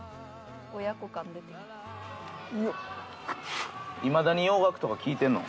「親子感出てきた」